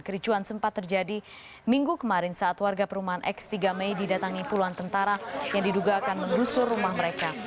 kericuan sempat terjadi minggu kemarin saat warga perumahan x tiga mei didatangi puluhan tentara yang diduga akan menggusur rumah mereka